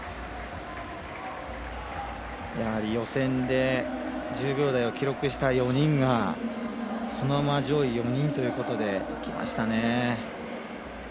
やはり予選で１０秒台を記録した４人がそのまま上位４人ということできましたね。